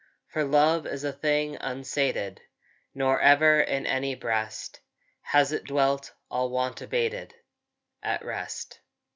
For love is a thing unsated, Nor ever in any breast Has it dwelt, all want abated, At rest.